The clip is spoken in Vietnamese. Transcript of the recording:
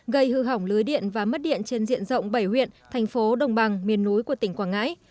gây hư hỏng lưới điện và mất điện trên diện rộng bảy huyện thành phố đồng bằng miền núi của tỉnh quảng ngãi